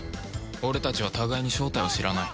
俺たちは互いに正体を知らない